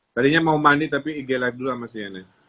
tadinya mau mandi tapi ig live dulu sama cnn